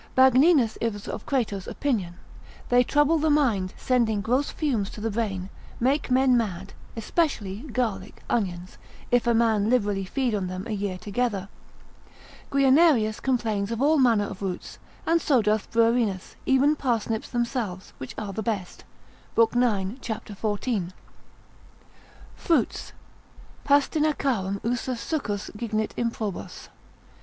Magninus is of Crato's opinion, They trouble the mind, sending gross fumes to the brain, make men mad, especially garlic, onions, if a man liberally feed on them a year together. Guianerius, tract. 15. cap. 2, complains of all manner of roots, and so doth Bruerinus, even parsnips themselves, which are the best, Lib. 9. cap. 14. Fruits.] Pastinacarum usus succos gignit improbos.